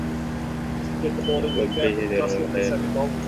তিনি খুব বেশি দুর্বল হয়ে পড়েন।